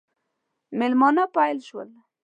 مېلمانه پیل شول.